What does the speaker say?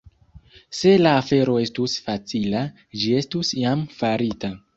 Se la afero estus facila, ĝi estus jam farita.